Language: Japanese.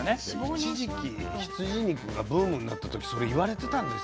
一時期羊肉がブームになった時それいわれてたんですよね。